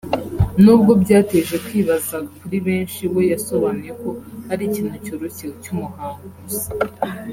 nubwo byateje kwibaza kuri benshi we yasobanuye ko ari ikintu cyoroshye cy’umuhango gusa